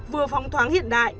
vừa phong thoáng hiện đại